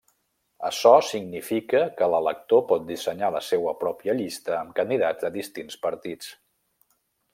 Açò significa que l'elector pot dissenyar la seua pròpia llista amb candidats de distints partits.